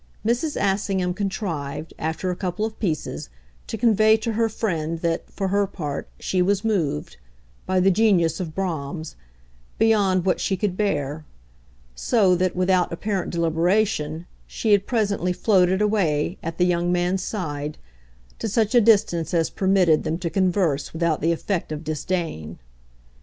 Mrs. Assingham contrived, after a couple of pieces, to convey to her friend that, for her part, she was moved by the genius of Brahms beyond what she could bear; so that, without apparent deliberation, she had presently floated away, at the young man's side, to such a distance as permitted them to converse without the effect of disdain.